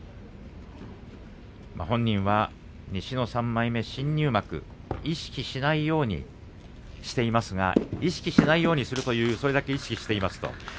本人は西の３枚目、新入幕を意識しないようにしていますが意識しないようにしているというそれだけ意識していますと